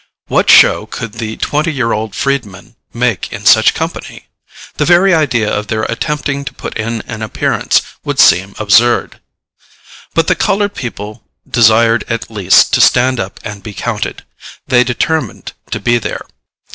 What show could the twenty year old freedmen make in such company? The very idea of their attempting to put in an appearance would seem absurd. But the colored people desired at least to stand up and be counted. They determined to be there.